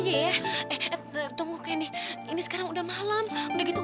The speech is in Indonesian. ya sudah datanglahent woody university primeira nurse buat kalau grul untuk penuh ulas